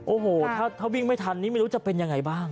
โอ้โหถ้าวิ่งไม่ทันนี่ไม่รู้จะเป็นยังไงบ้าง